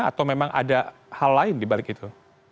atau memang ada hal lain dibalik itu